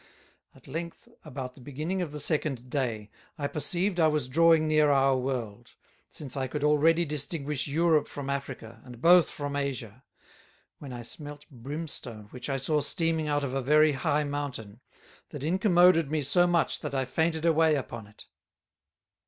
At length, about the beginning of the Second day, I perceived I was drawing near our World; since I could already distinguish Europe from Africa, and both from Asia; when I smelt Brimstone which I saw steaming out of a very high Mountain, that incommoded me so much that I fainted away upon it.